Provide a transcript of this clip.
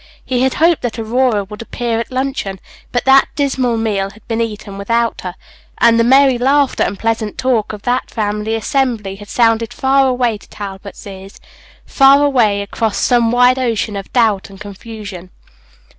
He had hoped that Aurora would appear at luncheon; but that dismal meal had been eaten without her; and the merry laughter and pleasant talk of the family assembly had sounded far away to Talbot's ears far away across some wide ocean of doubt and confusion.